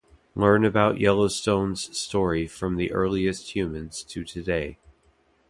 Learn about Yellowstone's story from the earliest humans to today.